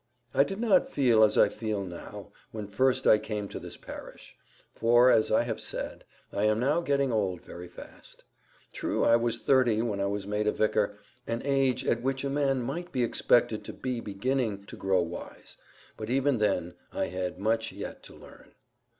I did not feel as I feel now when first I came to this parish. For, as I have said, I am now getting old very fast. True, I was thirty when I was made a vicar, an age at which a man might be expected to be beginning to grow wise; but even then I had much yet to learn.